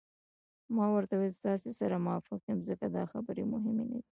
ما ورته وویل: ستاسي سره موافق یم، ځکه دا خبرې مهمې نه دي.